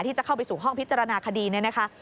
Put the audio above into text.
ที่จะเข้าไปสู่ห้องพิจารณาคดีเนี่ยนะคะ